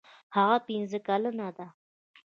هغه پنځه کلنه ده.